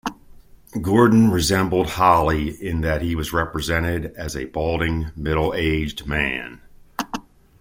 Gordon resembled Holly in that he was represented as a balding middle-aged man.